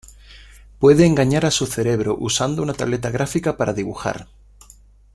Puede engañar a su cerebro usando una tableta gráfica para dibujar.